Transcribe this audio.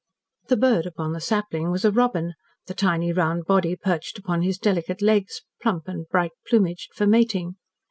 The bird upon the sapling was a robin, the tiny round body perched upon his delicate legs, plump and bright plumaged for mating.